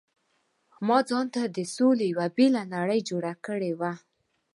ما ځانته د سولې یو بېله نړۍ جوړه کړې وه.